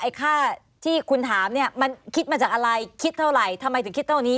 ค่าที่คุณถามเนี่ยมันคิดมาจากอะไรคิดเท่าไหร่ทำไมถึงคิดเท่านี้